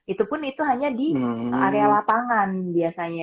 itu pun itu hanya di area lapangan biasanya